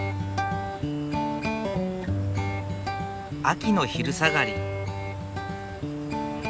秋の昼下がり。